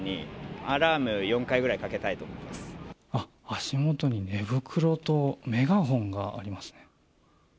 足元に寝袋とメガホンがありますね。